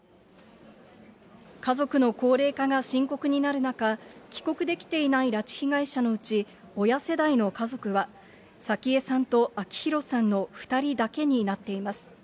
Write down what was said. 家族の高齢化が深刻になる中、帰国できていない拉致被害者のうち、親世代の家族は早紀江さんと明弘さんの２人だけになっています。